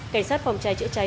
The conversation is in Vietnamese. cảnh sát phòng cháy chữa cháy